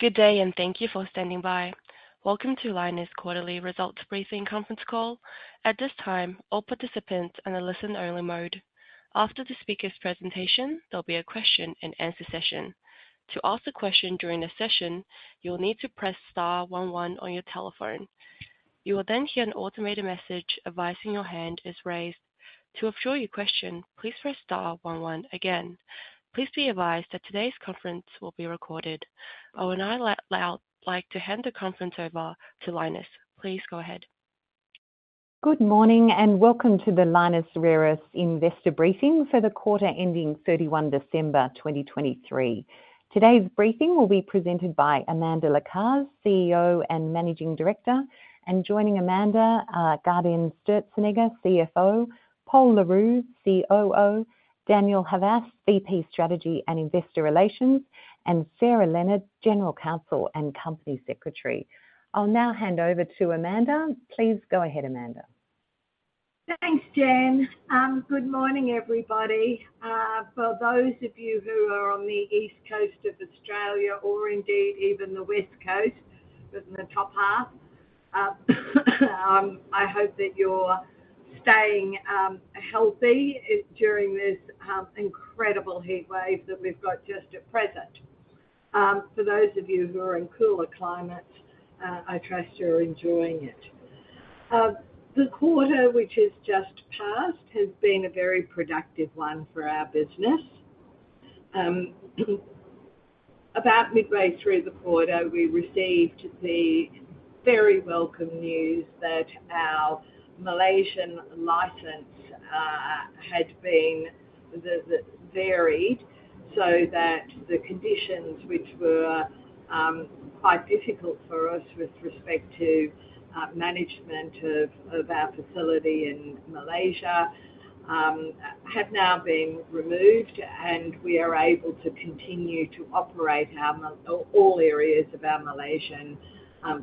Good day, and thank you for standing by. Welcome to Lynas' quarterly results briefing conference call. At this time, all participants are in a listen-only mode. After the speaker's presentation, there'll be a question-and-answer session. To ask a question during the session, you'll need to press star one one on your telephone. You will then hear an automated message advising your hand is raised. To withdraw your question, please press star one one again. Please be advised that today's conference will be recorded. I would now like to hand the conference over to Lynas. Please go ahead. Good morning, and welcome to the Lynas Rare Earths investor briefing for the quarter ending 31 December 2023. Today's briefing will be presented by Amanda Lacaze, CEO and Managing Director, and joining Amanda are Gaudenz Sturzenegger, CFO, Pol Le Roux, COO, Daniel Havas, VP, Strategy and Investor Relations, and Sarah Leonard, General Counsel and Company Secretary. I'll now hand over to Amanda. Please go ahead, Amanda. Thanks, Jen. Good morning, everybody. For those of you who are on the East Coast of Australia or indeed even the West Coast, within the top half, I hope that you're staying healthy during this incredible heatwave that we've got just at present. For those of you who are in cooler climates, I trust you're enjoying it. The quarter, which is just past, has been a very productive one for our business. About midway through the quarter, we received the very welcome news that our Malaysian license had been varied, so that the conditions which were quite difficult for us with respect to management of our facility in Malaysia have now been removed, and we are able to continue to operate all areas of our Malaysian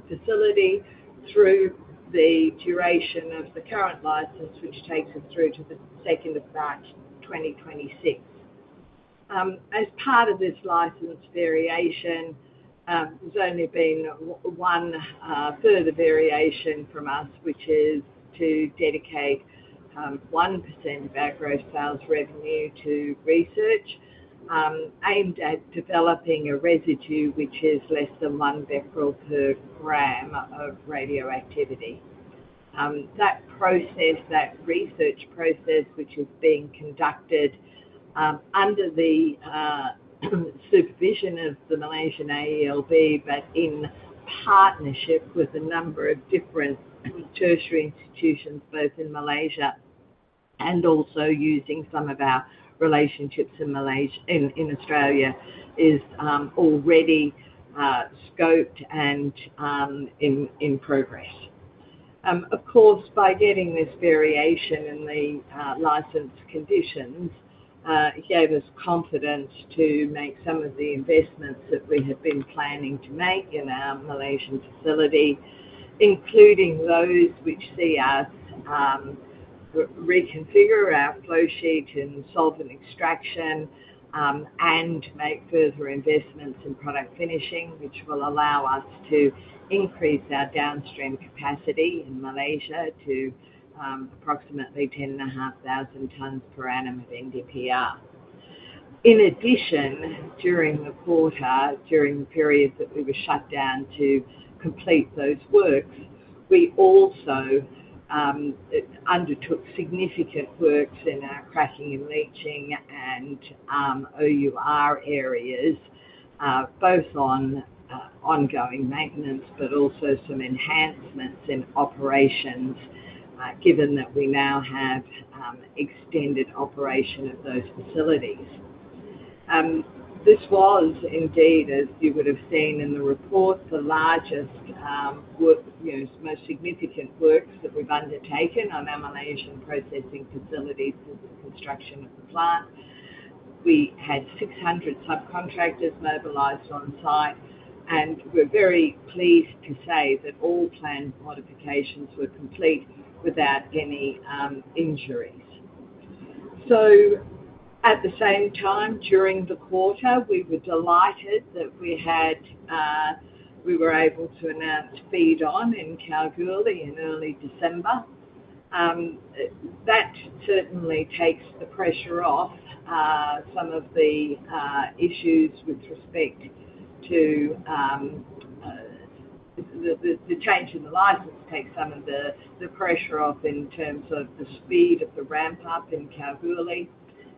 facility through the duration of the current license, which takes us through to the second of March 2026. As part of this license variation, there's only been one further variation from us, which is to dedicate 1% of our gross sales revenue to research aimed at developing a residue which is less than one becquerel per gram of radioactivity. That process, that research process, which is being conducted under the supervision of the Malaysian AELB, but in partnership with a number of different tertiary institutions, both in Malaysia and also using some of our relationships in Australia, is already scoped and in progress. Of course, by getting this variation in the license conditions, it gave us confidence to make some of the investments that we had been planning to make in our Malaysian facility, including those which see us reconfigure our flow sheet in solvent extraction and make further investments in product finishing, which will allow us to increase our downstream capacity in Malaysia to approximately 10,500 tonnes per annum of NdPr. In addition, during the quarter, during the period that we were shut down to complete those works, we also undertook significant works in our crushing and leaching and ore areas, both on ongoing maintenance, but also some enhancements in operations, given that we now have extended operation of those facilities. This was indeed, as you would have seen in the report, the largest work, you know, most significant works that we've undertaken on our Malaysian processing facility since the construction of the plant. We had 600 subcontractors mobilized on-site, and we're very pleased to say that all planned modifications were complete without any injuries. So at the same time, during the quarter, we were delighted that we were able to announce feed on in Kalgoorlie in early December. That certainly takes the pressure off some of the issues with respect to the change in the license takes some of the pressure off in terms of the speed of the ramp-up in Kalgoorlie,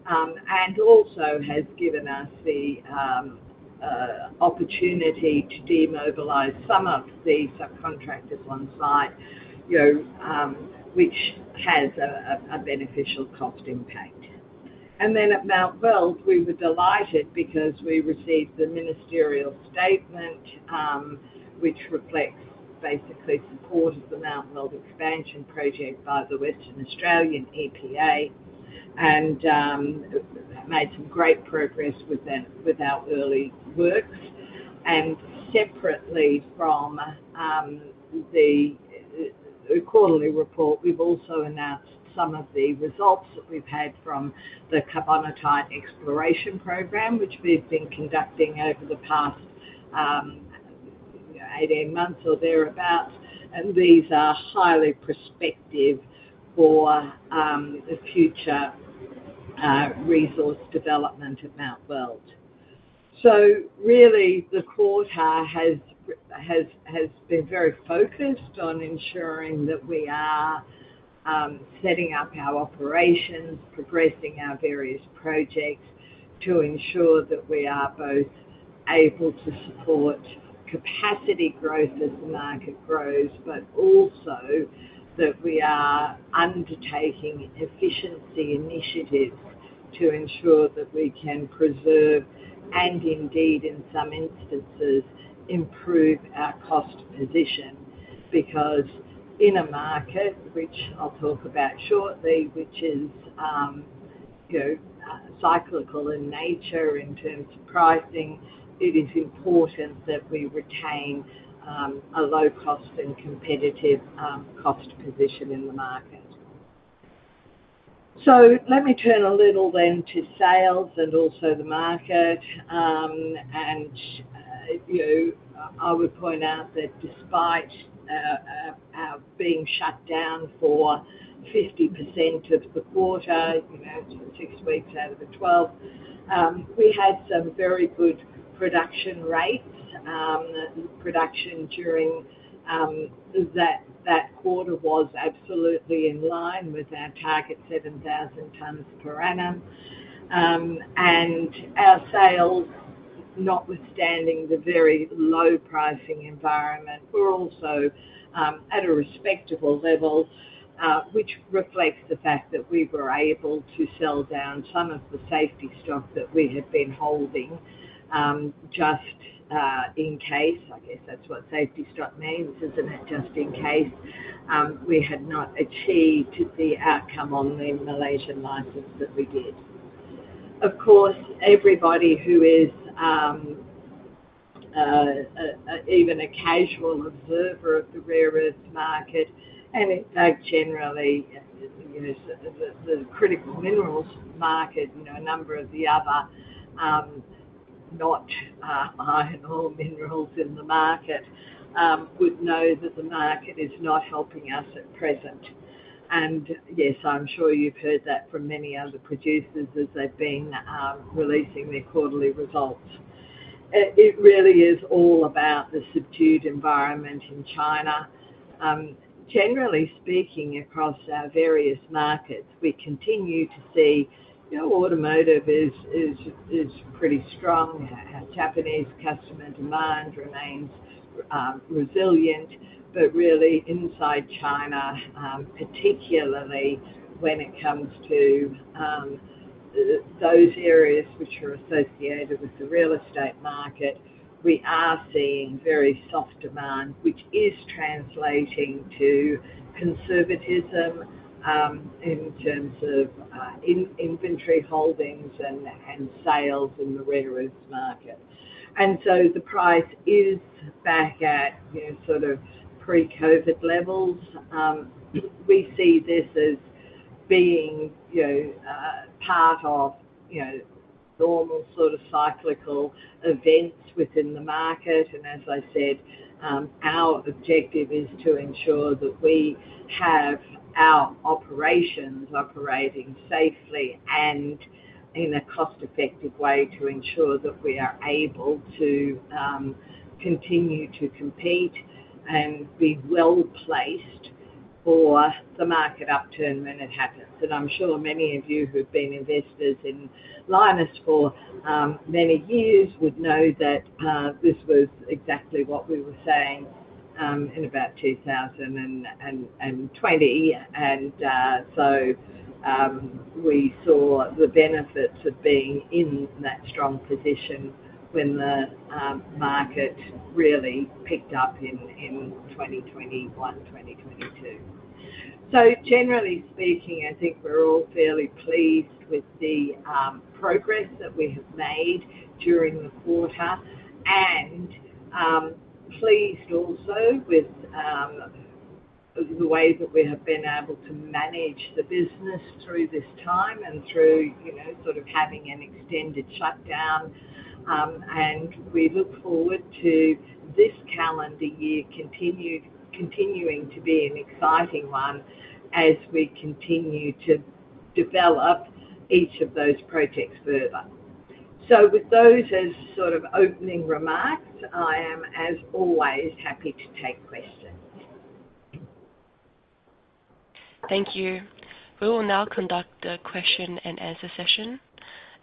and also has given us the opportunity to demobilize some of the subcontractors on-site, you know, which has a beneficial cost impact. And then at Mount Weld, we were delighted because we received the ministerial statement, which reflects basically support of the Mount Weld expansion project by the Western Australian EPA and made some great progress with our early works. And separately from the... Quarterly report, we've also announced some of the results that we've had from the carbonatite exploration program, which we've been conducting over the past 18 months or thereabout, and these are highly prospective for the future resource development at Mount Weld. So really, the quarter has been very focused on ensuring that we are setting up our operations, progressing our various projects, to ensure that we are both able to support capacity growth as the market grows, but also that we are undertaking efficiency initiatives to ensure that we can preserve, and indeed, in some instances, improve our cost position. Because in a market, which I'll talk about shortly, which is, you know, cyclical in nature in terms of pricing, it is important that we retain a low cost and competitive cost position in the market. So let me turn a little then to sales and also the market. I would point out that despite our being shut down for 50% of the quarter, you know, six weeks out of the 12, we had some very good production rates. Production during that quarter was absolutely in line with our target, 7,000 tons per annum. Our sales, notwithstanding the very low pricing environment, were also at a respectable level, which reflects the fact that we were able to sell down some of the safety stock that we had been holding, just in case. I guess that's what safety stock means, isn't it? Just in case we had not achieved the outcome on the Malaysian license that we did. Of course, everybody who is even a casual observer of the rare earth market, and in fact, generally, you know, the critical minerals market, you know, a number of the other non-iron ore minerals in the market, would know that the market is not helping us at present. Yes, I'm sure you've heard that from many other producers as they've been releasing their quarterly results. It really is all about the subdued environment in China. Generally speaking, across our various markets, we continue to see, you know, automotive is pretty strong. Our Japanese customer demand remains resilient, but really inside China, particularly when it comes to those areas which are associated with the real estate market, we are seeing very soft demand, which is translating to conservatism in terms of in inventory holdings and sales in the rare earth market. And so the price is back at, you know, sort of pre-COVID levels. We see this as being, you know, part of, you know, normal sort of cyclical events within the market. And as I said, our objective is to ensure that we have our operations operating safely and in a cost-effective way to ensure that we are able to continue to compete and be well-placed for the market upturn when it happens. And I'm sure many of you who've been investors in Lynas for many years would know that this was exactly what we were saying in about 2020. And so we saw the benefits of being in that strong position when the market really picked up in 2021, 2022. So generally speaking, I think we're all fairly pleased with the progress that we have made during the quarter. And pleased also with the way that we have been able to manage the business through this time and through, you know, sort of having an extended shutdown. And we look forward to this calendar year continuing to be an exciting one as we continue to develop each of those projects further. With those as sort of opening remarks, I am, as always, happy to take questions. Thank you. We will now conduct the question and answer session.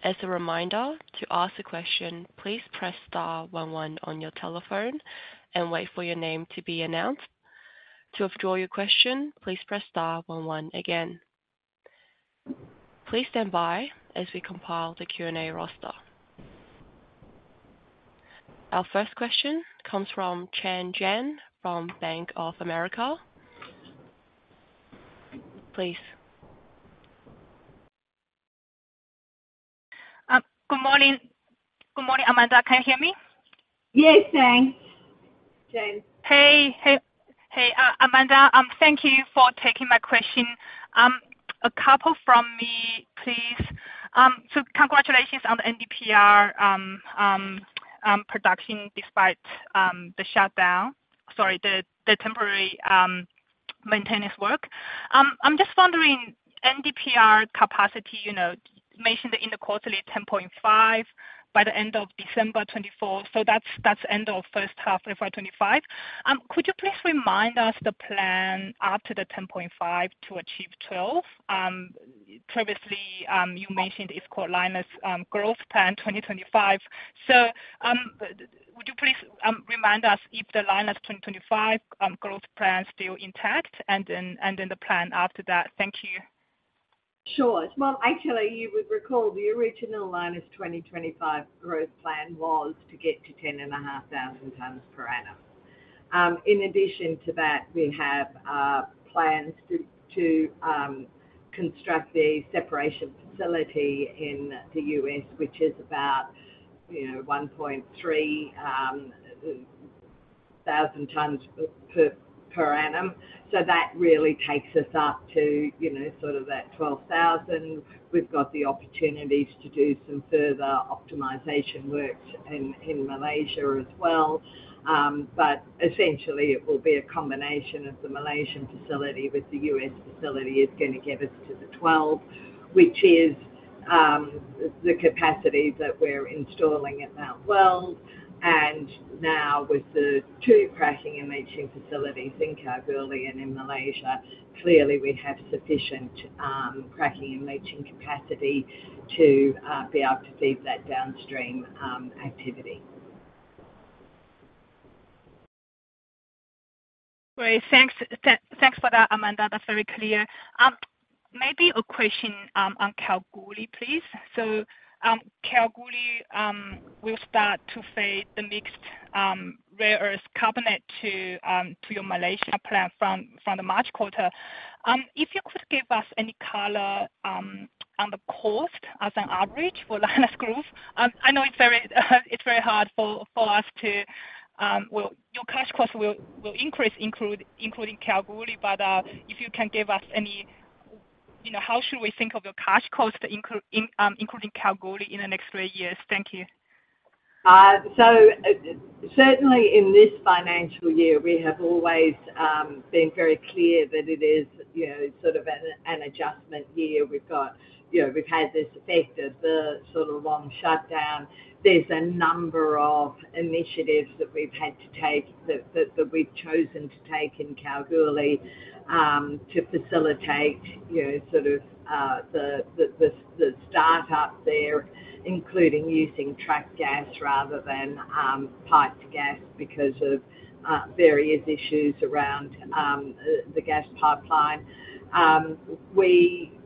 As a reminder, to ask a question, please press star one one on your telephone and wait for your name to be announced. To withdraw your question, please press star one one again. Please stand by as we compile the Q&A roster. Our first question comes from Chen Jiang, from Bank of America. Please. ...Good morning. Good morning, Amanda. Can you hear me? Yes, thanks. Chen. Hey, hey, hey, Amanda, thank you for taking my question. A couple from me, please. So congratulations on the NdPr production despite the shutdown. Sorry, the temporary maintenance work. I'm just wondering, NdPr capacity, you know, mentioned in the quarterly 10.5 by the end of December 2024, so that's end of first half of 2025. Could you please remind us the plan after the 10.5 to achieve 12? Previously, you mentioned it's called Lynas growth plan 2025. So, would you please remind us if the Lynas 2025 growth plan is still intact and then the plan after that? Thank you. Sure. Well, actually, you would recall the original Lynas 2025 growth plan was to get to 10,500 tons per annum. In addition to that, we have plans to construct a separation facility in the U.S., which is about, you know, 1,300 tons per annum. So that really takes us up to, you know, sort of that 12,000. We've got the opportunities to do some further optimization work in Malaysia as well. But essentially it will be a combination of the Malaysian facility with the U.S. facility is going to get us to the 12,000, which is the capacity that we're installing at Mount Weld. Now with the two cracking and leaching facilities in Kalgoorlie and in Malaysia, clearly we have sufficient cracking and leaching capacity to be able to feed that downstream activity. Great. Thanks. Thanks for that, Amanda. That's very clear. Maybe a question on Kalgoorlie, please. So, Kalgoorlie will start to feed the mixed rare earth carbonate to your Malaysia plant from the March quarter. If you could give us any color on the cost as an average for Lynas growth. I know it's very hard for us to, well, your cash cost will increase, including Kalgoorlie, but if you can give us any, you know, how should we think of your cash cost, including Kalgoorlie in the next three years? Thank you. So certainly in this financial year, we have always been very clear that it is, you know, sort of an adjustment year. We've got, you know, we've had this effect of the sort of long shutdown. There's a number of initiatives that we've had to take, that we've chosen to take in Kalgoorlie to facilitate, you know, sort of the start up there, including using trapped gas rather than piped gas because of various issues around the gas pipeline. We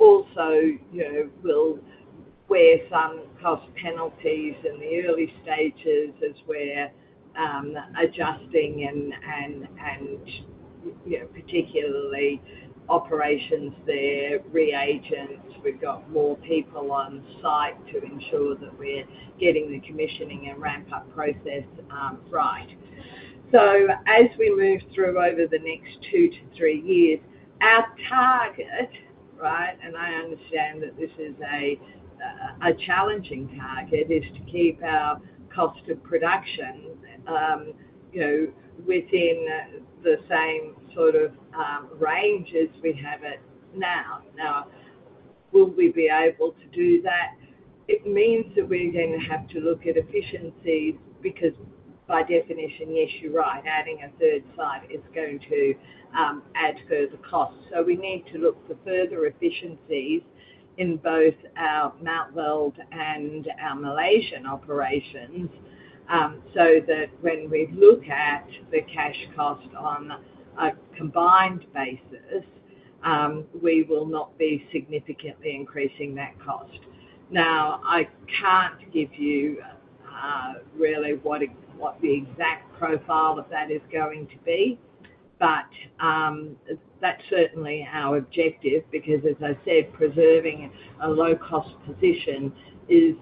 also, you know, will wear some cost penalties in the early stages as we're adjusting and, you know, particularly operations there, reagents. We've got more people on site to ensure that we're getting the commissioning and ramp-up process right. So as we move through over the next two to three years, our target, right, and I understand that this is a challenging target, is to keep our cost of production, you know, within the same sort of range as we have it now. Now, will we be able to do that? It means that we're going to have to look at efficiencies, because by definition, yes, you're right, adding a third site is going to add further costs. So we need to look for further efficiencies in both our Mount Weld and our Malaysian operations, so that when we look at the cash cost on a combined basis, we will not be significantly increasing that cost. Now, I can't give you really what the exact profile of that is going to be, but, that's certainly our objective, because as I said, preserving a low-cost position is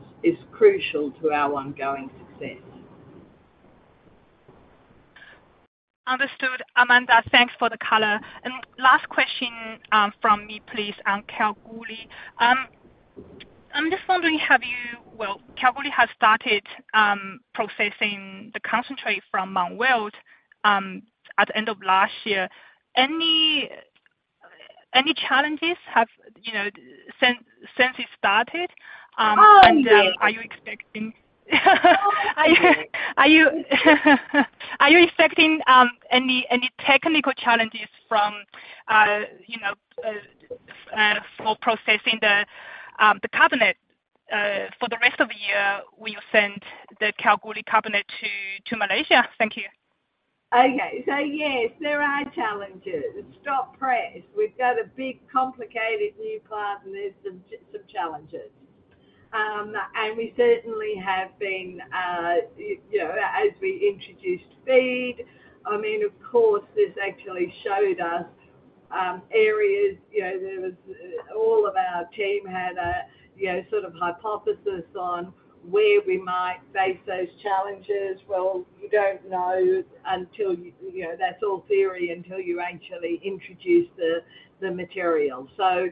crucial to our ongoing success. Understood, Amanda. Thanks for the color. Last question from me, please, on Kalgoorlie. I'm just wondering, well, Kalgoorlie has started processing the concentrate from Mount Weld at the end of last year. Any challenges have, you know, since it started? Oh, yes. Are you expecting any technical challenges from, you know, for processing the carbonate for the rest of the year? Will you send the Kalgoorlie carbonate to Malaysia? Thank you. Okay. So yes, there are challenges. Stop press. We've got a big complicated new plant, and there's some challenges. And we certainly have been, you know, as we introduced feed, I mean, of course, areas, you know, there was, all of our team had a, you know, sort of hypothesis on where we might face those challenges. Well, you don't know until, you know, that's all theory until you actually introduce the material. So,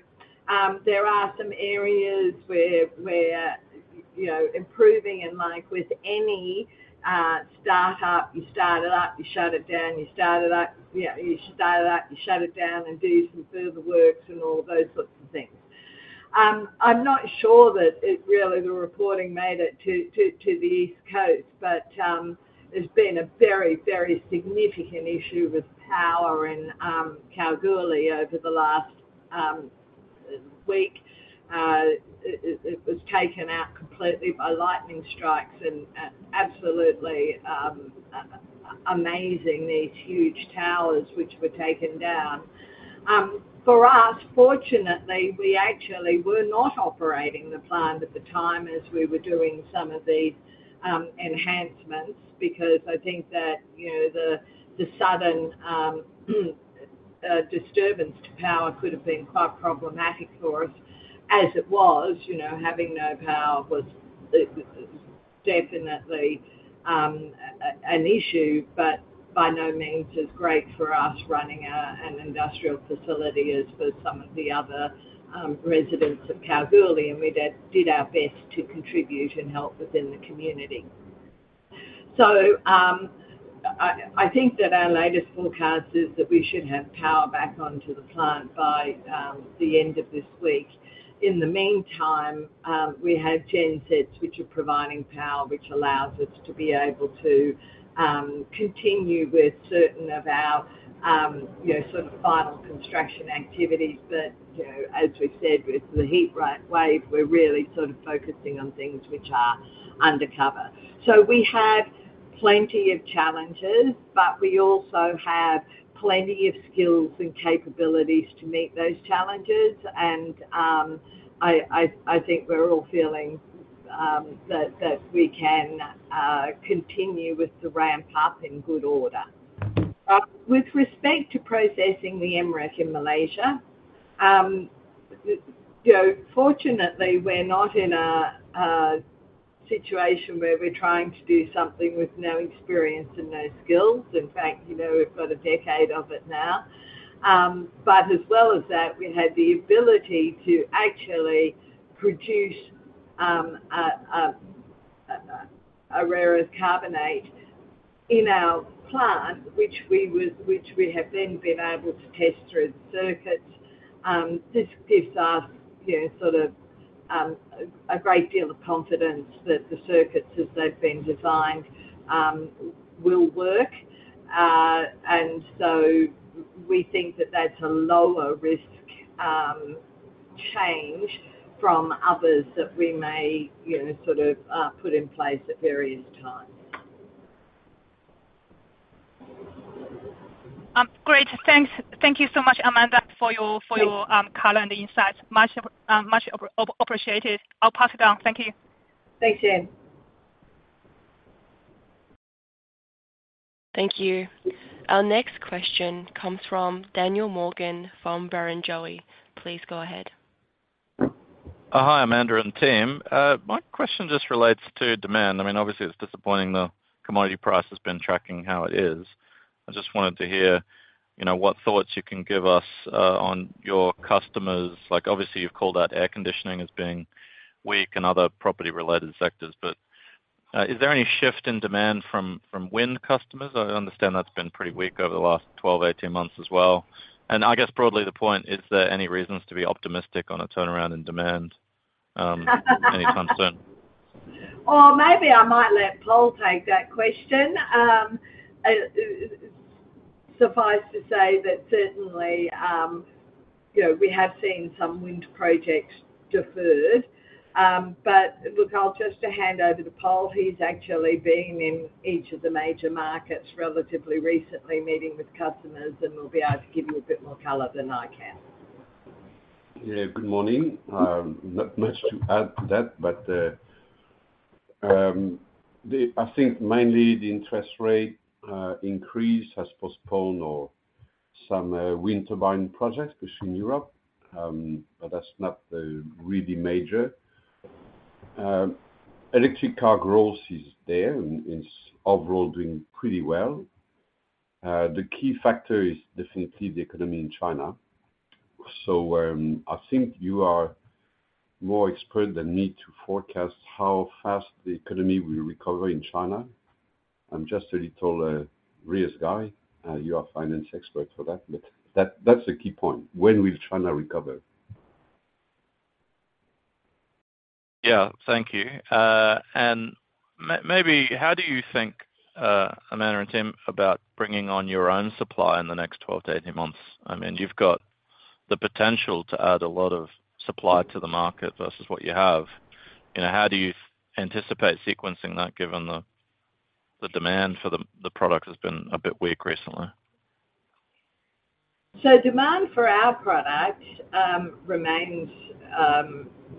there are some areas where, you know, improving, and like with any startup, you start it up, you shut it down, you start it up. Yeah, you start it up, you shut it down, and do some further works and all those sorts of things. I'm not sure that it really, the reporting made it to the East Coast, but there's been a very, very significant issue with power in Kalgoorlie over the last week. It was taken out completely by lightning strikes and absolutely amazing, these huge towers which were taken down. For us, fortunately, we actually were not operating the plant at the time as we were doing some of the enhancements, because I think that, you know, the sudden disturbance to power could have been quite problematic for us. As it was, you know, having no power was definitely an issue, but by no means as great for us running an industrial facility as for some of the other residents of Kalgoorlie, and we did our best to contribute and help within the community. So I think that our latest forecast is that we should have power back onto the plant by the end of this week. In the meantime, we have gen sets which are providing power, which allows us to be able to continue with certain of our, you know, sort of final construction activities. But, you know, as we've said, with the heat wave, we're really sort of focusing on things which are undercover. So we have plenty of challenges, but we also have plenty of skills and capabilities to meet those challenges, and I think we're all feeling that we can continue with the ramp up in good order. With respect to processing the MREC in Malaysia, you know, fortunately, we're not in a situation where we're trying to do something with no experience and no skills. In fact, you know, we've got a decade of it now. But as well as that, we have the ability to actually produce a rare earth carbonate in our plant, which we have then been able to test through the circuits. This gives us, you know, sort of, a great deal of confidence that the circuits, as they've been designed, will work. And so we think that that's a lower risk change from others that we may, you know, sort of, put in place at various times. Great. Thanks. Thank you so much, Amanda, for your- Please. For your color and insights. Much appreciated. I'll pass it on. Thank you. Thanks, Chen. Thank you. Our next question comes from Daniel Morgan, from Barrenjoey. Please go ahead. Hi, Amanda and team. My question just relates to demand. I mean, obviously, it's disappointing the commodity price has been tracking how it is. I just wanted to hear, you know, what thoughts you can give us, on your customers. Like, obviously, you've called out air conditioning as being weak and other property-related sectors. But, is there any shift in demand from wind customers? I understand that's been pretty weak over the last 12, 18 months as well. And I guess broadly, the point, is there any reasons to be optimistic on a turnaround in demand, any concern? Well, maybe I might let Paul take that question. Suffice to say that certainly, you know, we have seen some wind projects deferred. But look, I'll just hand over to Pol. He's actually been in each of the major markets relatively recently, meeting with customers, and will be able to give you a bit more color than I can. Yeah, good morning. Not much to add to that, but, the... I think mainly the interest rate increase has postponed or some wind turbine projects, especially in Europe, but that's not really major. Electric car growth is there and is overall doing pretty well. The key factor is definitely the economy in China. So, I think you are more expert than me to forecast how fast the economy will recover in China. I'm just a little risk guy, you are finance expert for that, but that, that's the key point, when will China recover? Yeah. Thank you. Maybe how do you think, Amanda and team, about bringing on your own supply in the next 12-18 months? I mean, you've got the potential to add a lot of supply to the market versus what you have. You know, how do you anticipate sequencing that, given the demand for the product has been a bit weak recently? So demand for our product remains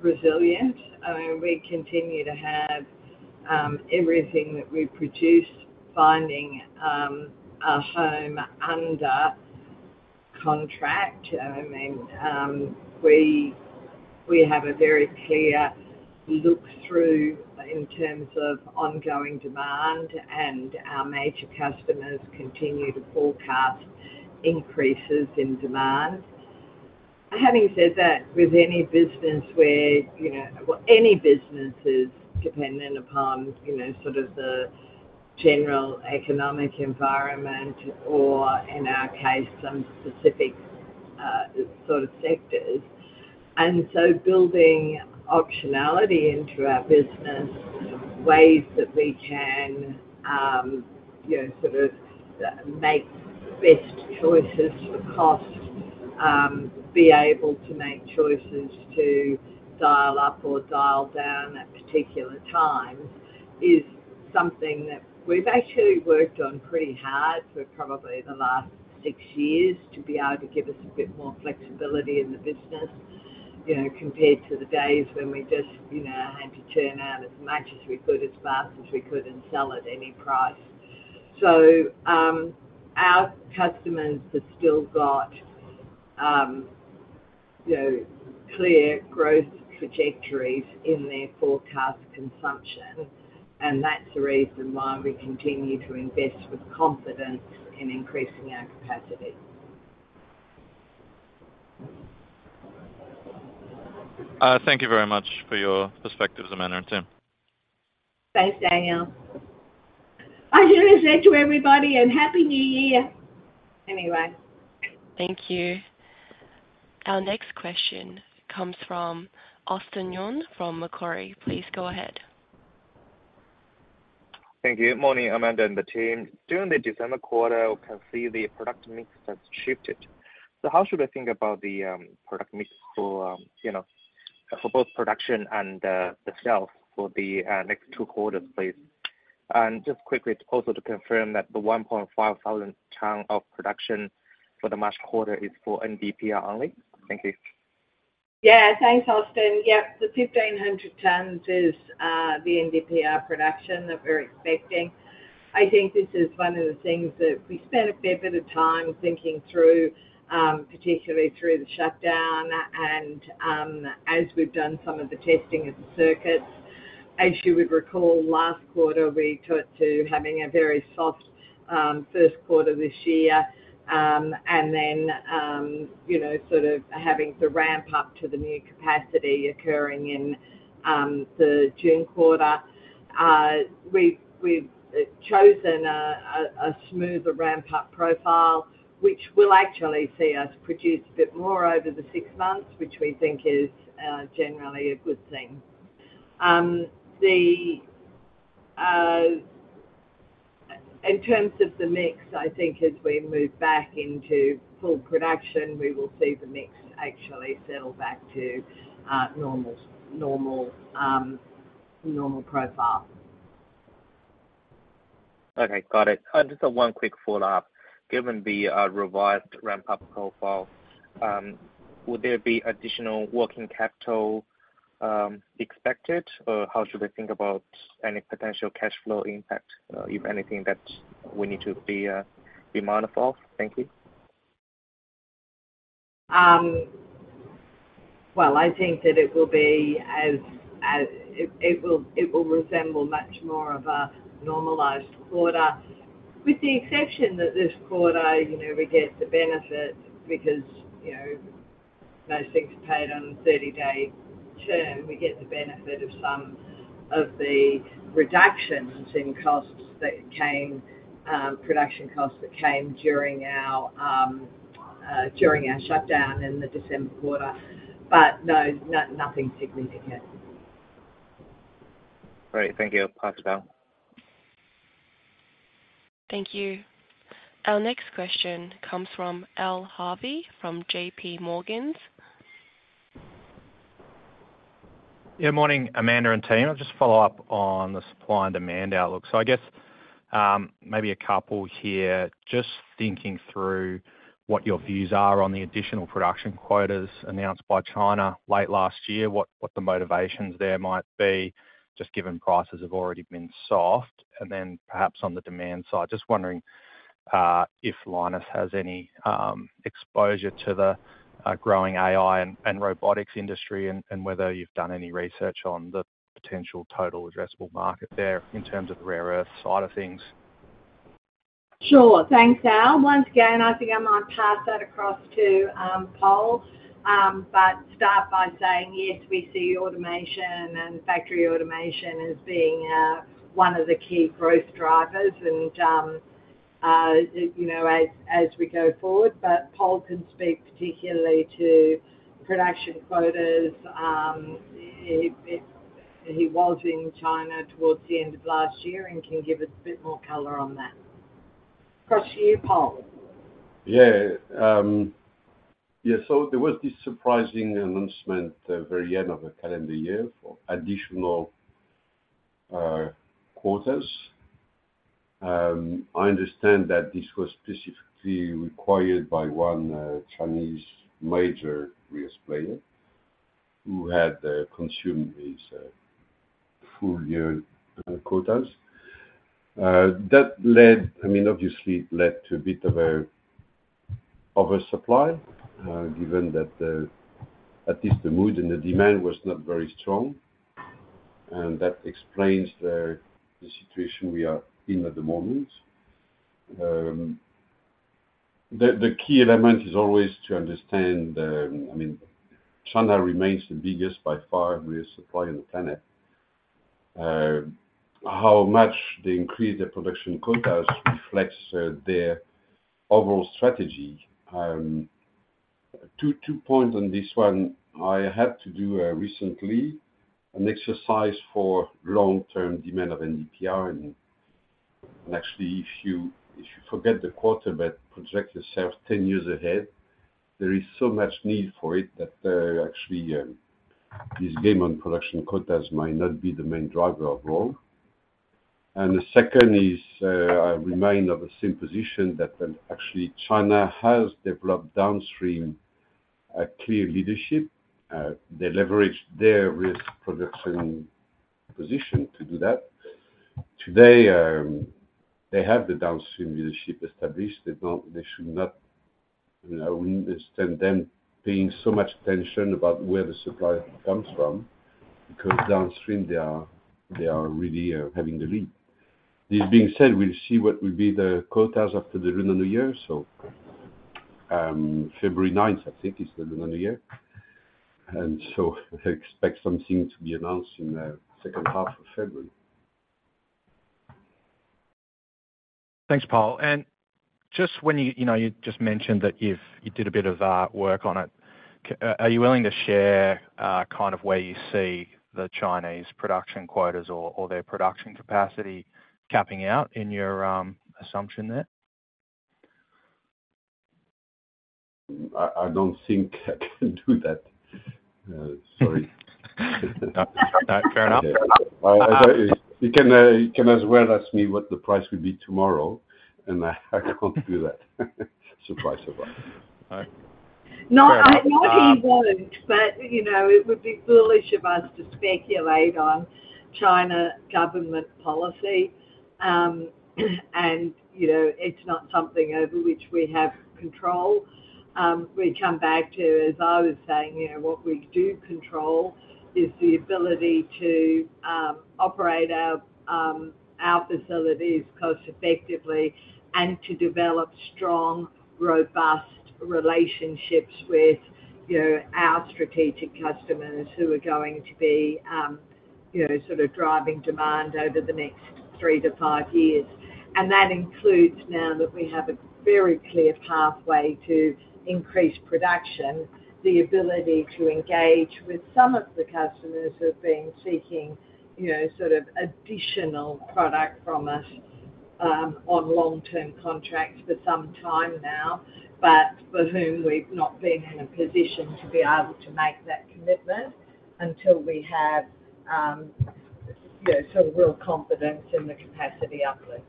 resilient. I mean, we continue to have everything that we produce finding a home under contract. I mean, we have a very clear look through in terms of ongoing demand, and our major customers continue to forecast increases in demand. Having said that, with any business where, you know, any business is dependent upon, you know, sort of the general economic environment or in our case, some specific sort of sectors. And so building optionality into our business, ways that we can, you know, sort of make best choices for cost, be able to make choices to dial up or dial down at particular times, is something that we've actually worked on pretty hard for probably the last six years, to be able to give us a bit more flexibility in the business. You know, compared to the days when we just, you know, had to turn out as much as we could, as fast as we could, and sell at any price. So, our customers have still got, you know, clear growth trajectories in their forecast consumption, and that's the reason why we continue to invest with confidence in increasing our capacity. Thank you very much for your perspectives, Amanda and team. Thanks, Daniel. I do the same to everybody, and Happy New Year! Anyway. Thank you. Our next question comes from Austin Yun, from Macquarie. Please go ahead. Thank you. Morning, Amanda and the team. During the December quarter, we can see the product mix has shifted. So how should I think about the product mix for, you know, for both production and the sales for the next two quarters, please? And just quickly, also to confirm that the 1,500 ton of production for the March quarter is for NdPr only. Thank you. Yeah, thanks, Austin. Yep, the 1,500 tons is the NdPr production that we're expecting. I think this is one of the things that we spent a fair bit of time thinking through, particularly through the shutdown and as we've done some of the testing of the circuits. As you would recall, last quarter, we talked to having a very soft first quarter this year, and then you know, sort of having to ramp up to the new capacity occurring in the June quarter. We've chosen a smoother ramp-up profile, which will actually see us produce a bit more over the six months, which we think is generally a good thing. The... In terms of the mix, I think as we move back into full production, we will see the mix actually settle back to normal profile. Okay, got it. Just one quick follow-up. Given the revised ramp-up profile, would there be additional working capital expected, or how should I think about any potential cash flow impact, if anything, that we need to be mindful of? Thank you. Well, I think that it will resemble much more of a normalized quarter, with the exception that this quarter, you know, we get the benefit because, you know, most things are paid on a 30-day term. We get the benefit of some of the reductions in costs that came, production costs that came during our, during our shutdown in the December quarter. But no, no, nothing significant. Great. Thank you. Pass down. Thank you. Our next question comes from Al Harvey, from JP Morgan. Yeah, morning, Amanda and team. I'll just follow up on the supply and demand outlook. So I guess, maybe a couple here, just thinking through what your views are on the additional production quotas announced by China late last year, what the motivations there might be, just given prices have already been soft. And then perhaps on the demand side, just wondering if Lynas has any exposure to the growing AI and robotics industry, and whether you've done any research on the potential total addressable market there in terms of the rare earth side of things? Sure. Thanks, Al. Once again, I think I might pass that across to Paul. But start by saying, yes, we see automation and factory automation as being one of the key growth drivers and, you know, as we go forward. But Paul can speak particularly to production quotas, he was in China towards the end of last year and can give a bit more color on that. Across to you, Paul. Yeah. Yeah, so there was this surprising announcement at the very end of the calendar year for additional quotas.... I understand that this was specifically required by one, Chinese major rare earth player, who had, consumed his, full year, quotas. That led—I mean, obviously, it led to a bit of a oversupply, given that the, at least the mood and the demand was not very strong, and that explains the, the situation we are in at the moment. The, the key element is always to understand, I mean, China remains the biggest by far, rare earth supplier on the planet. How much they increase their production quotas reflects, their overall strategy. Two points on this one. I had to do recently an exercise for long-term demand of NdPr, and actually, if you forget the quota, but project yourself 10 years ahead, there is so much need for it that actually this game on production quotas might not be the main driver overall. The second is, I remain of a same position that actually China has developed downstream a clear leadership. They leveraged their rare earth production position to do that. Today, they have the downstream leadership established. They should not, you know, understand them paying so much attention about where the supply comes from, because downstream, they are really having the lead. This being said, we'll see what will be the quotas after the Lunar New Year. February 9th, I think, is the Lunar New Year. I expect something to be announced in the second half of February. Thanks, Pol. And just when you, you know, you just mentioned that you've, you did a bit of work on it. Are you willing to share kind of where you see the Chinese production quotas or their production capacity capping out in your assumption there? I don't think I can do that. Sorry. Fair enough. You can as well ask me what the price will be tomorrow, and I can't do that. Surprise, surprise. All right. No, I not he won't, but, you know, it would be foolish of us to speculate on China government policy. And, you know, it's not something over which we have control. We come back to, as I was saying, you know, what we do control is the ability to operate our our facilities cost effectively and to develop strong, robust relationships with, you know, our strategic customers who are going to be, you know, sort of driving demand over the next three to five years. And that includes now that we have a very clear pathway to increase production, the ability to engage with some of the customers who have been seeking, you know, sort of additional product from us, on long-term contracts for some time now, but for whom we've not been in a position to be able to make that commitment until we have, you know, sort of real confidence in the capacity uplift.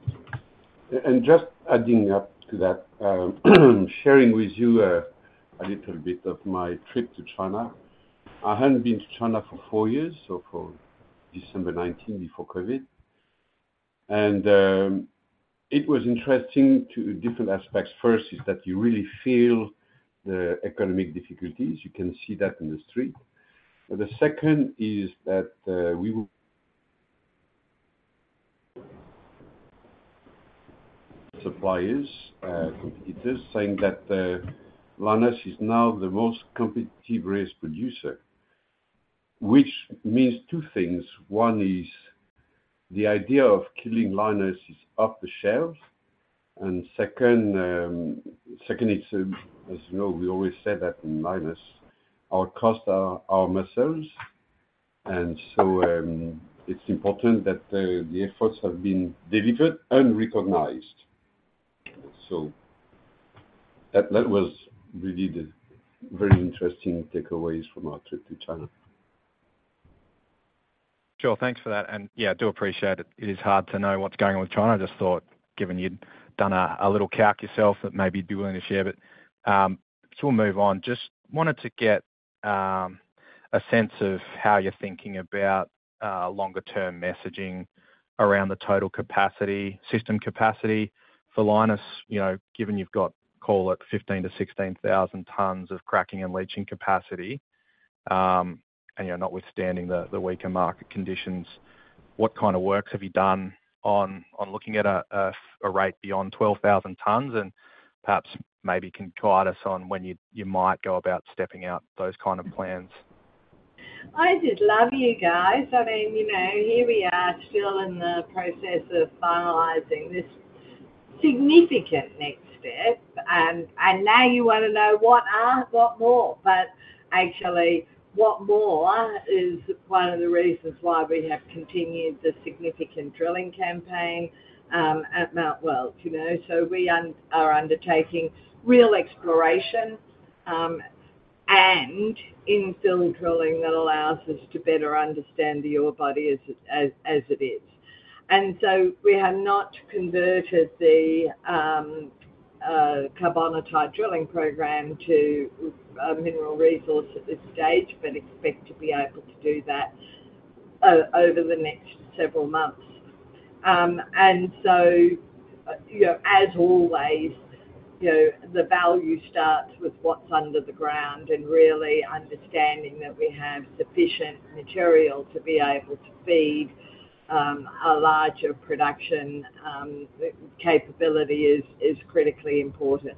Just adding up to that, sharing with you a little bit of my trip to China. I hadn't been to China for four years, so for December 2019, before COVID. It was interesting in different aspects. First is that you really feel the economic difficulties. You can see that in the street. But the second is that our suppliers, competitors, are saying that Lynas is now the most competitive rare earth producer, which means two things. One is the idea of killing Lynas is off the table, and second, second, it's, as you know, we always say that in Lynas, our costs are our muscles, and so it's important that the efforts have been delivered and recognized. So that was really the very interesting takeaways from our trip to China. Sure. Thanks for that, and, yeah, I do appreciate it. It is hard to know what's going on with China. I just thought, given you'd done a little calc yourself, that maybe you'd be willing to share, but, so we'll move on. Just wanted to get a sense of how you're thinking about longer term messaging around the total capacity, system capacity for Lynas. You know, given you've got, call it 15,000-16,000 tons of cracking and leaching capacity, and, you know, notwithstanding the weaker market conditions, what kind of works have you done on looking at a rate beyond 12,000 tons? And perhaps maybe can guide us on when you might go about stepping out those kind of plans. I just love you guys. I mean, you know, here we are, still in the process of finalizing this significant next step, and now you want to know what are, what more? But actually, what more is one of the reasons why we have continued the significant drilling campaign, at Mount Weld, you know, so we are undertaking real exploration, and infill drilling that allows us to better understand the ore body as, as, as it is. And so we have not converted the, carbonatite drilling program to a mineral resource at this stage, but expect to be able to do that over the next several months. So, you know, as always, you know, the value starts with what's under the ground, and really understanding that we have sufficient material to be able to feed a larger production capability is critically important.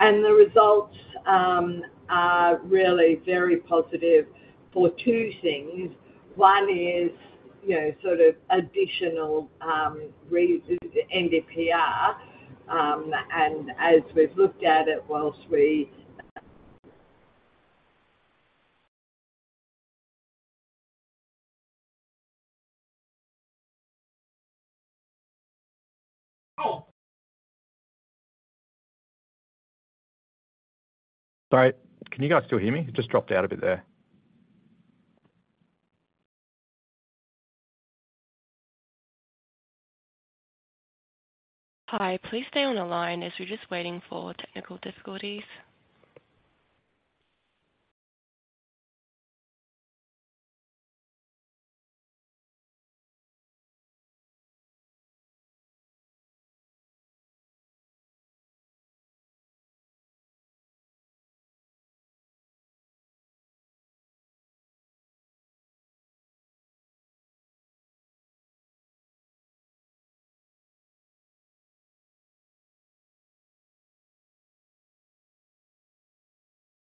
The results are really very positive for two things. One is, you know, sort of additional NdPr. And as we've looked at it, while we- Sorry, can you guys still hear me? It just dropped out a bit there. Hi. Please stay on the line as we're just waiting for technical difficulties.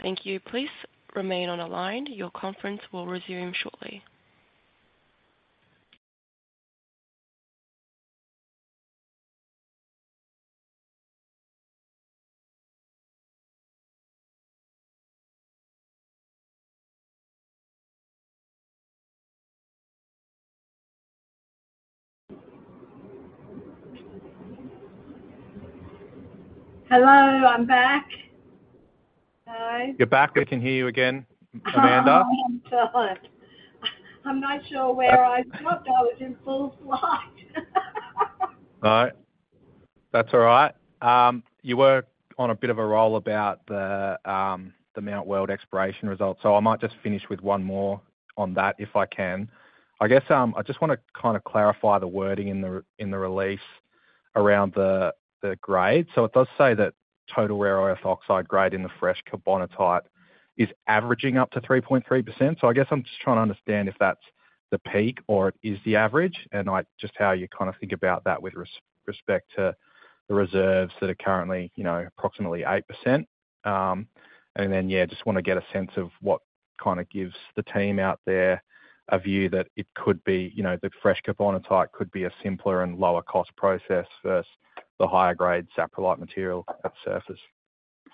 Thank you. Please remain on the line. Your conference will resume shortly. Hello, I'm back. Hi. You're back. I can hear you again, Amanda. Oh, my God! I'm not sure where I stopped. I was in full flight. All right. That's all right. You were on a bit of a roll about the Mount Weld exploration results, so I might just finish with one more on that, if I can. I guess I just wanna kind of clarify the wording in the release around the grade. So it does say that total rare earth oxide grade in the fresh carbonatite is averaging up to 3.3%. So I guess I'm just trying to understand if that's the peak or it is the average, and, like, just how you kind of think about that with respect to the reserves that are currently, you know, approximately 8%. And then, yeah, just wanna get a sense of what kind of gives the team out there a view that it could be, you know, the fresh carbonatite could be a simpler and lower-cost process versus the higher grade saprolite material at surface.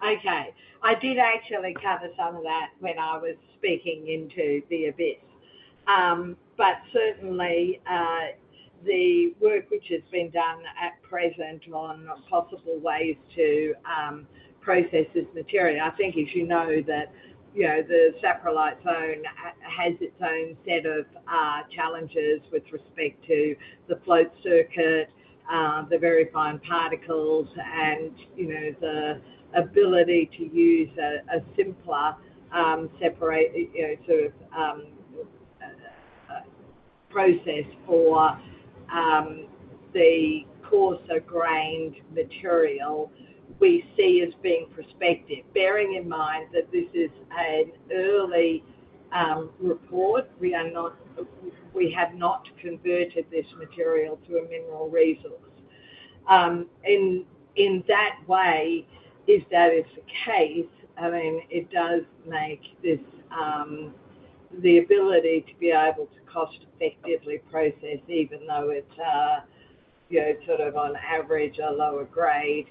Okay. I did actually cover some of that when I was speaking into the abyss. But certainly, the work which has been done at present on possible ways to process this material. I think as you know, that, you know, the saprolite zone has its own set of challenges with respect to the float circuit, the very fine particles, and, you know, the ability to use a simpler separate process for the coarser-grained material we see as being prospective. Bearing in mind that this is an early report. We have not converted this material to a mineral resource. In that way, if that is the case, I mean, it does make this the ability to be able to cost-effectively process, even though it's, you know, sort of, on average, a lower grade,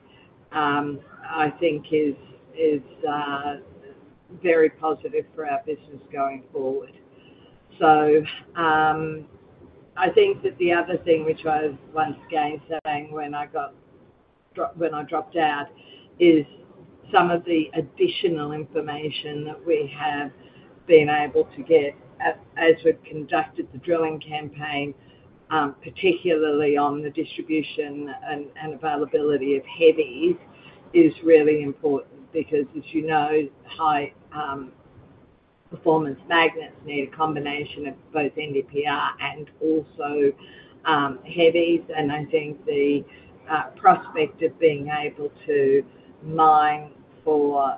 I think is very positive for our business going forward. So, I think that the other thing, which I was once again saying when I dropped out, is some of the additional information that we have been able to get as we've conducted the drilling campaign, particularly on the distribution and availability of heavies, is really important because as you know, high performance magnets need a combination of both NdPr and also heavies. And I think the prospect of being able to mine for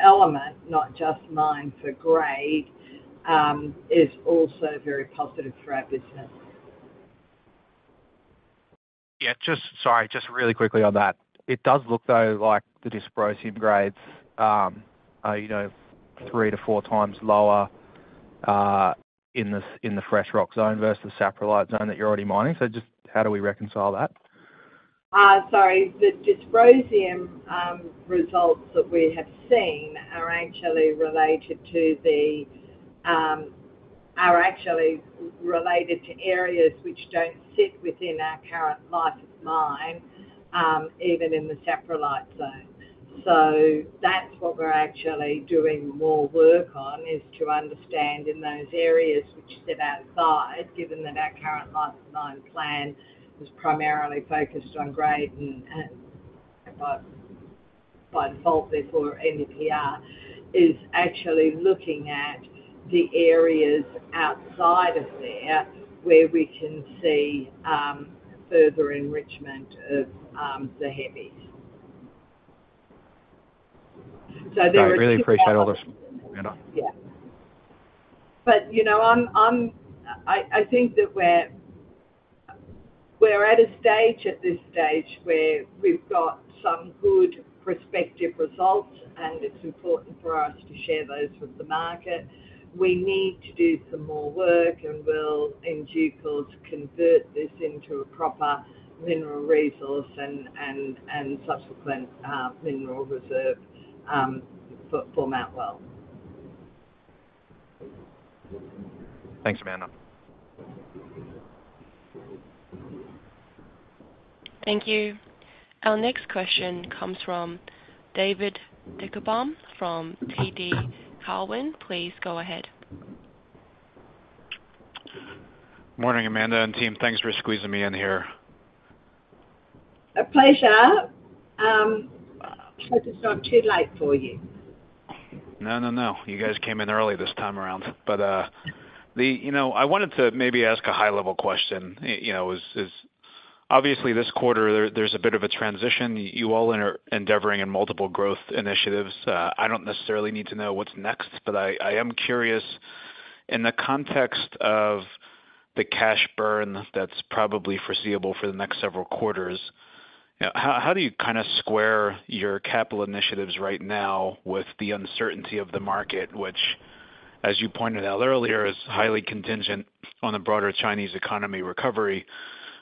element, not just mine for grade, is also very positive for our business. Yeah, sorry, just really quickly on that. It does look, though, like the dysprosium grades are, you know, 3-4 times lower in the fresh rock zone versus the saprolite zone that you're already mining. So just how do we reconcile that? Sorry. The dysprosium results that we have seen are actually related to areas which don't sit within our current life of mine, even in the saprolite zone. So that's what we're actually doing more work on, is to understand in those areas which sit outside, given that our current life of mine plan is primarily focused on grade and by default, therefore, NdPr, is actually looking at the areas outside of there where we can see further enrichment of the heavies. So there is- I really appreciate all this, Amanda. Yeah. But, you know, I think that we're at a stage, at this stage, where we've got some good prospective results, and it's important for us to share those with the market. We need to do some more work, and we'll, in due course, convert this into a proper mineral resource and subsequent mineral reserve for Mount Weld. Thanks, Amanda. Thank you. Our next question comes from David Deckelbaum from TD Cowen. Please go ahead. Morning, Amanda and team. Thanks for squeezing me in here. A pleasure. Hope it's not too late for you. No, no, no. You guys came in early this time around. But, the... You know, I wanted to maybe ask a high-level question. You know, is, obviously, this quarter there, there's a bit of a transition. You all are endeavoring in multiple growth initiatives. I don't necessarily need to know what's next, but I am curious, in the context of the cash burn that's probably foreseeable for the next several quarters, how do you kind of square your capital initiatives right now with the uncertainty of the market, which, as you pointed out earlier, is highly contingent on the broader Chinese economy recovery,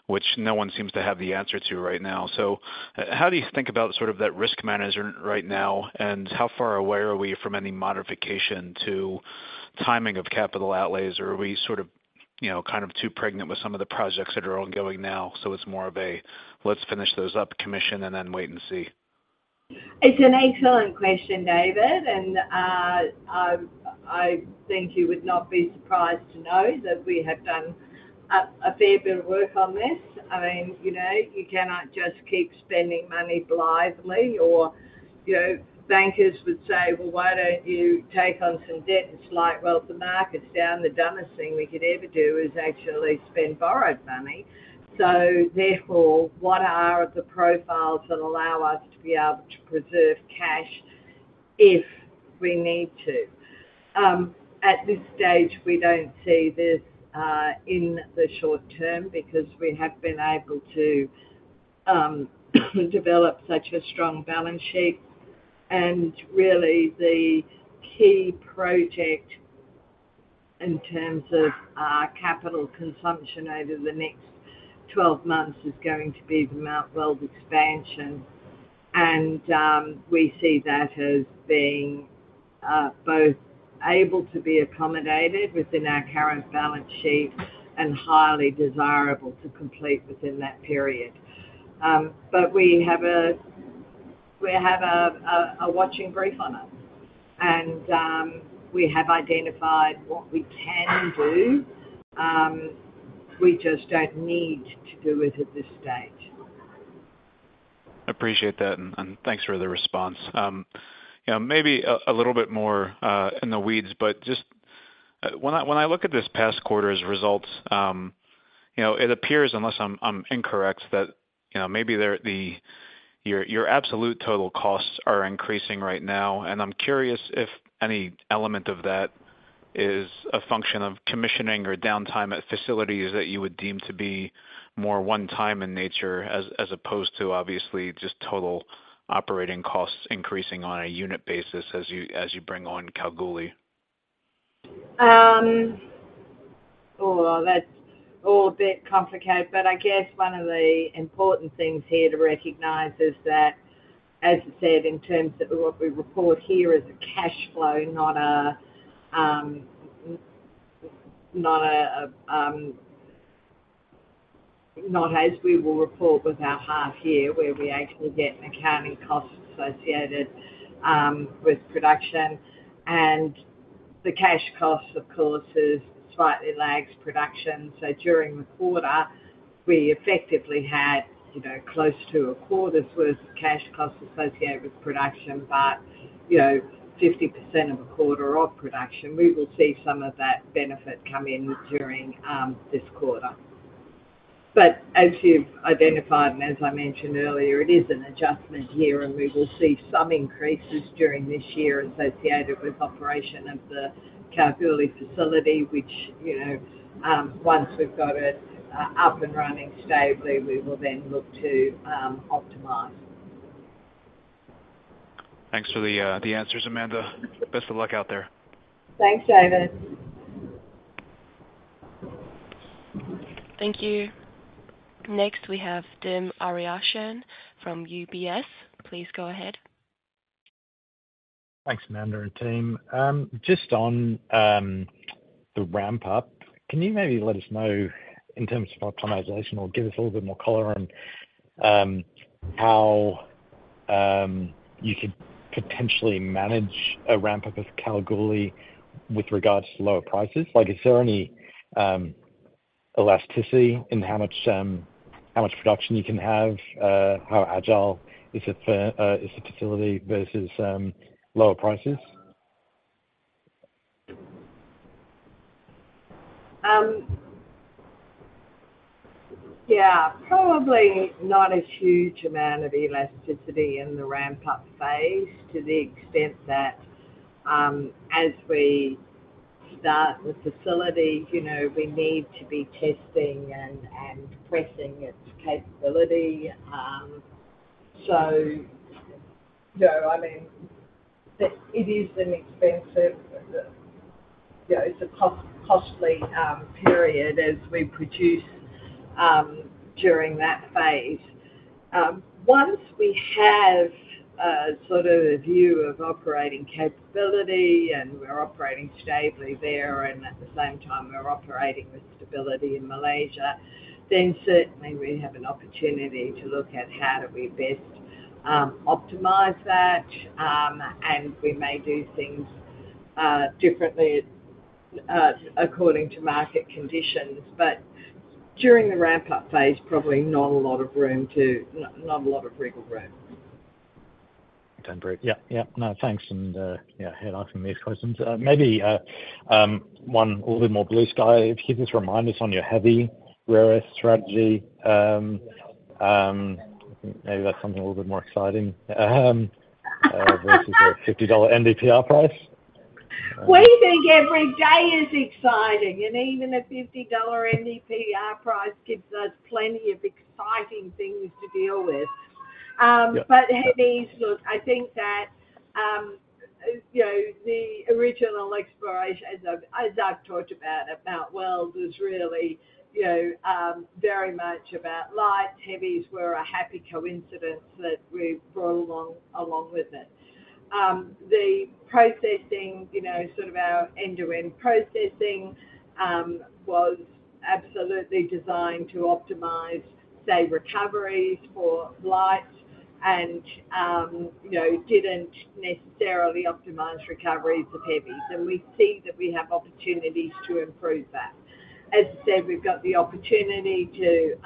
which no one seems to have the answer to right now? So how do you think about sort of that risk management right now, and how far away are we from any modification to timing of capital outlays, or are we sort of, you know, kind of too pregnant with some of the projects that are ongoing now, so it's more of a, "Let's finish those up commission and then wait and see? It's an excellent question, David, and, I, I think you would not be surprised to know that we have done a fair bit of work on this. I mean, you know, you cannot just keep spending money blithely or, you know, bankers would say, "Well, why don't you take on some debt?" It's like, well, the market's down. The dumbest thing we could ever do is actually spend borrowed money. So therefore, what are the profiles that allow us to be able to preserve cash if we need to? At this stage, we don't see this, in the short term because we have been able to, develop such a strong balance sheet. And really, the key project in terms of, capital consumption over the next 12 months is going to be the Mount Weld expansion. We see that as being both able to be accommodated within our current balance sheet and highly desirable to complete within that period. But we have a watching brief on it, and we have identified what we can do. We just don't need to do it at this stage. Appreciate that, and thanks for the response. You know, maybe a little bit more in the weeds, but just when I look at this past quarter's results, you know, it appears, unless I'm incorrect, that your absolute total costs are increasing right now. And I'm curious if any element of that is a function of commissioning or downtime at facilities that you would deem to be more one-time in nature, as opposed to, obviously, just total operating costs increasing on a unit basis as you bring on Kalgoorlie. Oh, that's all a bit complicated, but I guess one of the important things here to recognize is that, as you said, in terms of what we report here as a cash flow, not a, not a, not as we will report with our half year, where we actually get an accounting cost associated with production. And the cash cost, of course, is slightly lags production. So during the quarter, we effectively had, you know, close to a quarter's worth of cash costs associated with production, but, you know, 50% of a quarter of production. We will see some of that benefit come in during this quarter. But as you've identified, and as I mentioned earlier, it is an adjustment year, and we will see some increases during this year associated with operation of the Kalgoorlie facility, which, you know, once we've got it up and running stably, we will then look to optimize. Thanks for the answers, Amanda. Best of luck out there. Thanks, David. Thank you. Next, we have Dim Ariyasinghe from UBS. Please go ahead.... Thanks, Amanda and team. Just on the ramp up, can you maybe let us know in terms of optimization or give us a little bit more color on how you could potentially manage a ramp up of Kalgoorlie with regards to lower prices? Like, is there any elasticity in how much production you can have? How agile is the facility versus lower prices? Yeah, probably not a huge amount of elasticity in the ramp-up phase, to the extent that, as we start the facility, you know, we need to be testing and pressing its capability. So, you know, I mean, it is an expensive, you know, it's a costly period as we produce during that phase. Once we have a sort of a view of operating capability and we're operating stably there, and at the same time, we're operating with stability in Malaysia, then certainly we have an opportunity to look at how do we best optimize that. And we may do things differently according to market conditions. But during the ramp-up phase, probably not a lot of wiggle room. Yeah. Yeah. No, thanks. And, yeah, thanks for answering these questions. Maybe one a little more blue sky. Can you just remind us on your heavy rare earth strategy? Maybe that's something a little bit more exciting, versus your $50 NdPr price. We think every day is exciting, and even a $50 NdPr price gives us plenty of exciting things to deal with. Yeah. But heavies, look, I think that, you know, the original exploration, as I've, as I've talked about, about Mount Weld is really, you know, very much about lights. Heavies were a happy coincidence that we brought along, along with it. The processing, you know, sort of our end-to-end processing, was absolutely designed to optimize, say, recoveries for lights and, you know, didn't necessarily optimize recoveries of heavies. And we see that we have opportunities to improve that. As I said, we've got the opportunity to,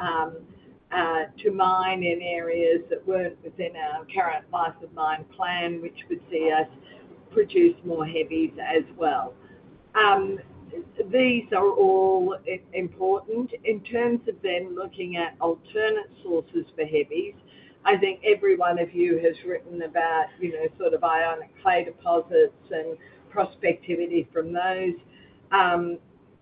to mine in areas that weren't within our current life of mine plan, which would see us produce more heavies as well. These are all important. In terms of then looking at alternate sources for heavies, I think every one of you has written about, you know, sort of ionic clay deposits and prospectivity from those.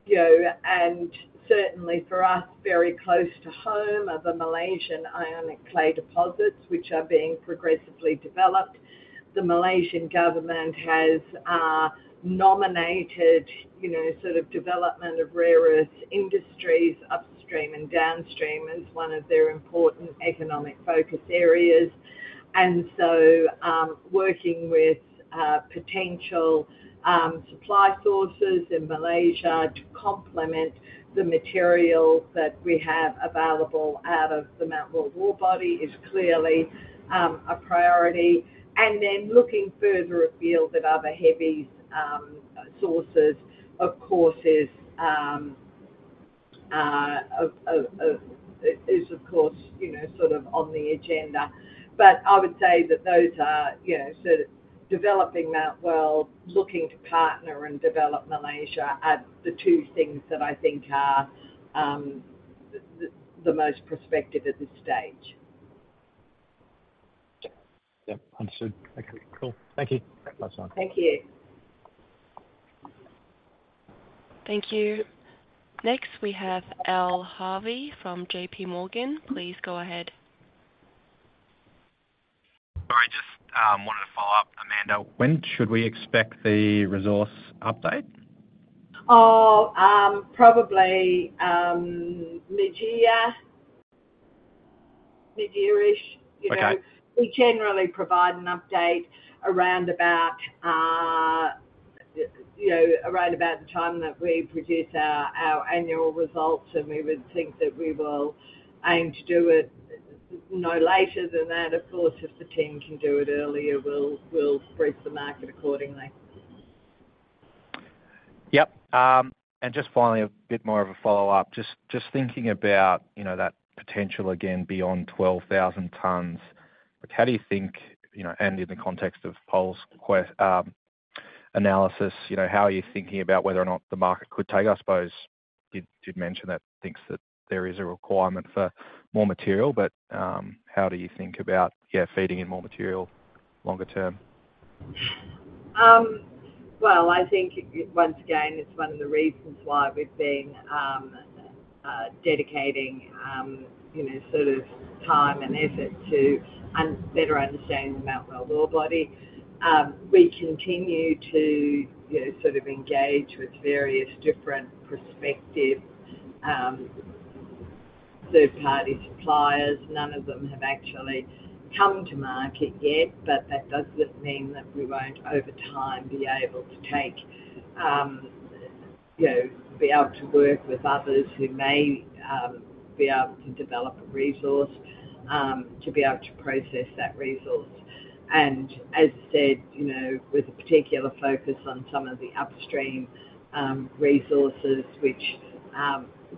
You know, certainly for us, very close to home are the Malaysian Ionic clay deposits, which are being progressively developed. The Malaysian government has nominated, you know, sort of development of rare earth industries, upstream and downstream, as one of their important economic focus areas. And so, working with potential supply sources in Malaysia to complement the material that we have available out of the Mount Weld ore body is clearly a priority. And then looking further afield at other heavies sources, of course, is, of course, you know, sort of on the agenda. But I would say that those are, you know, sort of developing Mount Weld, looking to partner and develop Malaysia are the two things that I think are the most prospective at this stage. Yeah. Understood. Okay, cool. Thank you. Thanks a lot. Thank you. Thank you. Next, we have Al Harvey from JP Morgan. Please go ahead. Sorry, just, wanted to follow up, Amanda. When should we expect the resource update? Oh, probably, mid-year, mid-year-ish. Okay. We generally provide an update around about, you know, around about the time that we produce our annual results, and we would think that we will aim to do it no later than that. Of course, if the team can do it earlier, we'll brief the market accordingly. Yep. Just finally, a bit more of a follow-up. Just thinking about, you know, that potential again, beyond 12,000 tons. How do you think, you know, and in the context of Paul's analysis, you know, how are you thinking about whether or not the market could take it? I suppose you did mention that thinks that there is a requirement for more material, but, how do you think about, yeah, feeding in more material longer term? Well, I think once again, it's one of the reasons why we've been dedicating, you know, sort of time and effort to better understand the Mount Weld ore body. We continue to, you know, sort of engage with various different prospective third-party suppliers, none of them have actually come to market yet, but that doesn't mean that we won't, over time, be able to take, you know, be able to work with others who may be able to develop a resource to be able to process that resource. And as I said, you know, with a particular focus on some of the upstream resources, which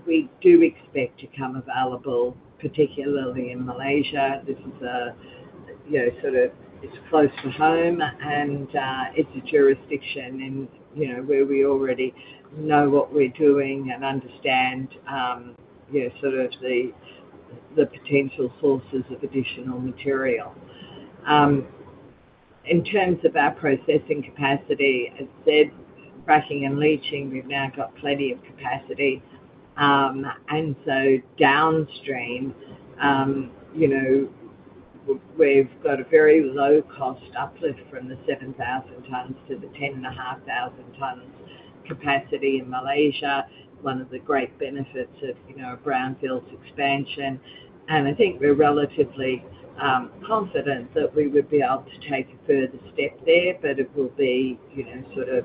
we do expect to come available, particularly in Malaysia. This is a, you know, sort of, it's close to home, and, it's a jurisdiction in, you know, where we already know what we're doing and understand, you know, sort of the potential sources of additional material. In terms of our processing capacity, as said, cracking and leaching, we've now got plenty of capacity. And so downstream, you know, we've got a very low cost uplift from the 7,000 tons to the 10,500 tons capacity in Malaysia. One of the great benefits of, you know, a brownfields expansion, and I think we're relatively, confident that we would be able to take a further step there, but it will be, you know, sort of,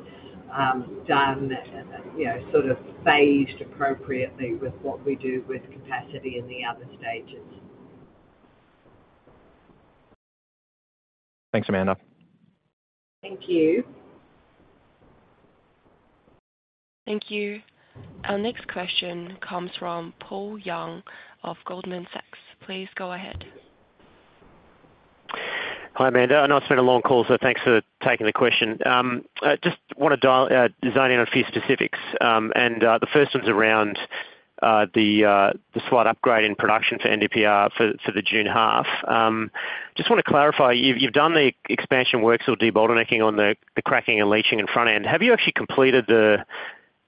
done and, you know, sort of phased appropriately with what we do with capacity in the other stages. Thanks, Amanda. Thank you. Thank you. Our next question comes from Paul Young of Goldman Sachs. Please go ahead. Hi, Amanda. I know it's been a long call, so thanks for taking the question. I just want to dial, dial in on a few specifics. And, the first one's around the slight upgrade in production for NdPr for the June half. Just want to clarify, you've done the expansion works or debottlenecking on the cracking and leaching in front end. Have you actually completed the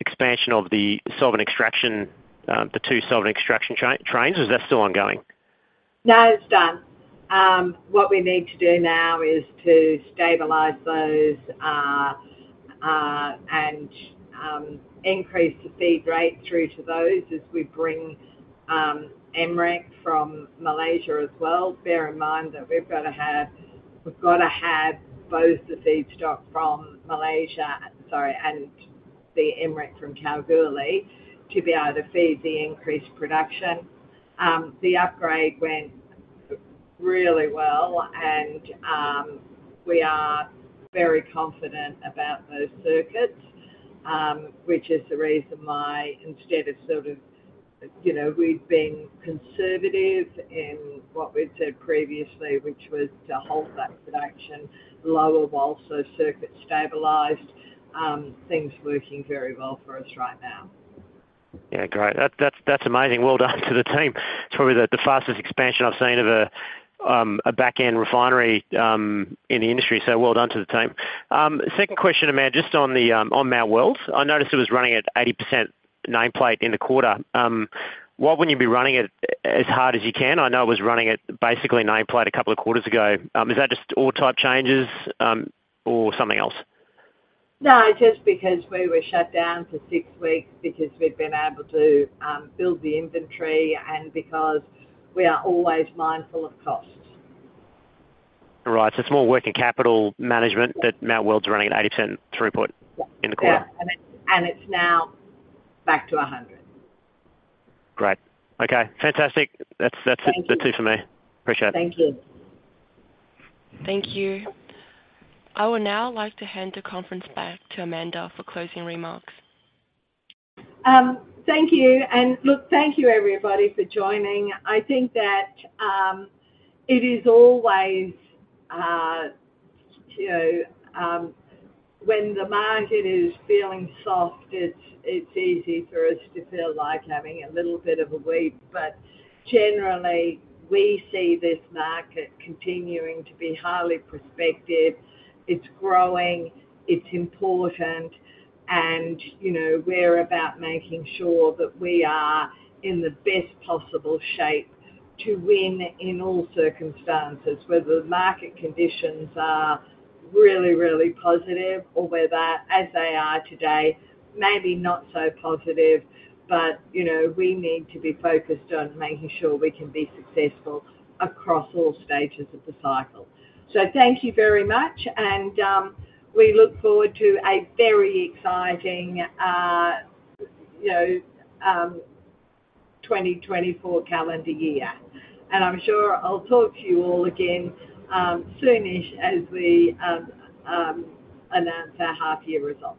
expansion of the solvent extraction, the two solvent extraction trains, or is that still ongoing? No, it's done. What we need to do now is to stabilize those, and increase the feed rate through to those as we bring MREC from Malaysia as well. Bear in mind that we've got to have, we've got to have both the feedstock from Malaysia, sorry, and the MREC from Kalgoorlie to be able to feed the increased production. The upgrade went really well, and we are very confident about those circuits, which is the reason why, instead of sort of, you know, we've been conservative in what we'd said previously, which was to hold that production lower while those circuits stabilized. Things are working very well for us right now. Yeah, great. That's, that's amazing. Well done to the team. It's probably the fastest expansion I've seen of a, a back-end refinery, in the industry, so well done to the team. Second question, Amanda, just on the, on Mount Weld. I noticed it was running at 80% nameplate in the quarter. Why wouldn't you be running it as hard as you can? I know it was running at basically nameplate a couple of quarters ago. Is that just ore type changes, or something else? No, just because we were shut down for six weeks because we've been able to build the inventory and because we are always mindful of costs. Right. So it's more working capital management- Yep. -that Mt Weld is running at 80% throughput- Yeah. in the quarter. Yeah. And it's now back to 100. Great. Okay, fantastic. That's- Thank you. The two for me. Appreciate it. Thank you. Thank you. I would now like to hand the conference back to Amanda for closing remarks. Thank you. And look, thank you, everybody, for joining. I think that it is always, you know, when the market is feeling soft, it's easy for us to feel like having a little bit of a wait. But generally, we see this market continuing to be highly prospective. It's growing, it's important, and, you know, we're about making sure that we are in the best possible shape to win in all circumstances, whether the market conditions are really, really positive or whether, as they are today, maybe not so positive. But, you know, we need to be focused on making sure we can be successful across all stages of the cycle. So thank you very much, and we look forward to a very exciting, you know, 2024 calendar year. I'm sure I'll talk to you all again soonish as we announce our half-year results.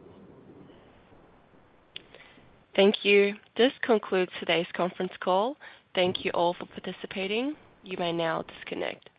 Thank you. This concludes today's conference call. Thank you all for participating. You may now disconnect.